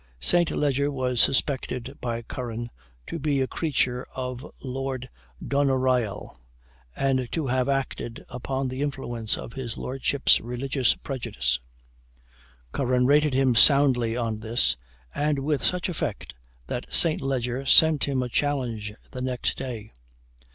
St. Leger was suspected by Curran to be a creature of Lord Doneraile, and to have acted under the influence of his lordship's religious prejudice. Curran rated him soundly on this, and with such effect that St. Leger sent him a challenge the next day.